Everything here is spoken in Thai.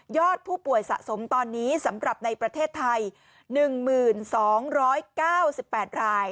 อดผู้ป่วยสะสมตอนนี้สำหรับในประเทศไทย๑๒๙๘ราย